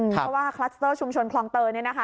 เพราะว่าคลัสเตอร์ชุมชนคลองเตยเนี่ยนะคะ